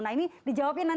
nah ini dijawabin pak khalid